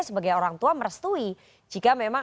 sebagai orang tua merestui jika memang